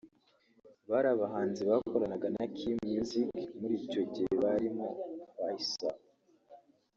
bari abahanzi bakoranaga na Kina Music muri icyo gihe barimo Faycal